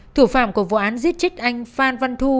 thủ phạm của vụ án giết chết anh phan văn thu